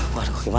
buat gua gimana